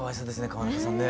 川中さんね。